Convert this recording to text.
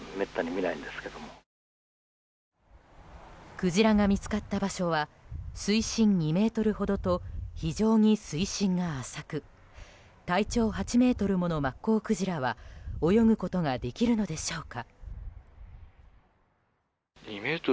クジラが見つかった場所は水深２ｍほどと非常に水深が浅く体長８ｍものマッコウクジラは泳ぐことができるのでしょうか。